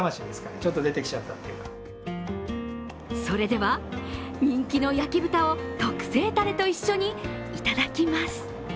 それでは人気の焼豚を特製たれと一緒にいただきます。